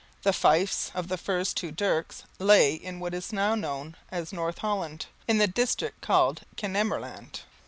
The fiefs of the first two Dirks lay in what is now known as North Holland, in the district called Kennemerland.